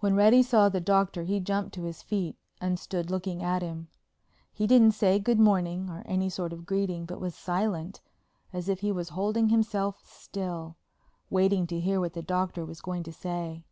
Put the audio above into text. When Reddy saw the Doctor he jumped to his feet and stood looking at him. He didn't say "Good morning" or any sort of greeting, but was silent, as if he was holding himself still, waiting to hear what the Doctor was going to say.